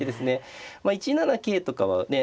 １七桂とかはね。